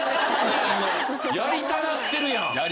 やりたなってるやん。